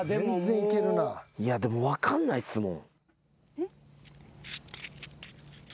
いやでも分かんないっすもん。